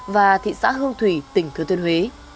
và thị xã hương thủy tỉnh thứa thuyền huế